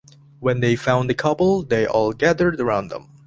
When they found the couple, they all gathered around them.